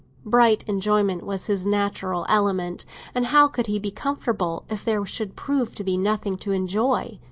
Bright enjoyment was his natural element, and how could he be comfortable if there should prove to be nothing to enjoy?